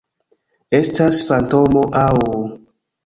Estas fantomo aŭ...